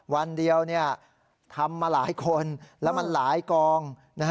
วันเดียวทำมาหลายคนแล้วมันหลายกอง